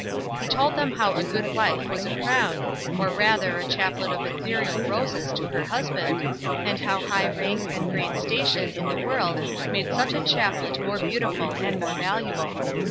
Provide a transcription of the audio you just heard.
He told them how a good wife was a crown, or rather a chaplet of aetherial roses to her husband, and how high rank and great station in the world made such a chaplet more beautiful and more valuable.